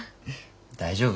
大丈夫？